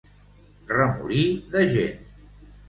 Remolí de gent.